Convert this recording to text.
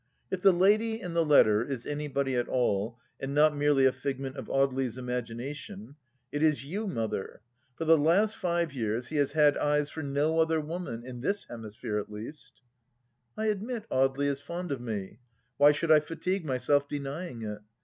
" If the lady in the letter is anybody at all, and not merely a figment of Audely's imagination ?— it is you. Mother I For the last five years he has had eyes for no other woman — in this hemisphere at least I " I admit Audely is fond of me. Why should I fatigue myself denying it